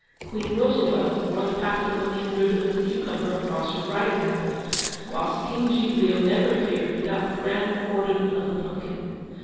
Queen Rosalba wore the Paflagonian Ribbon of the Cucumber across her riding habit, whilst King Giglio never appeared without the grand Cordon of the Pumpkin.